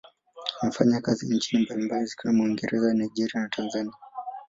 Amefanya kazi nchi mbalimbali zikiwemo Uingereza, Nigeria na Tanzania.